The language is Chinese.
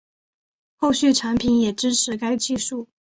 后续产品也支持该技术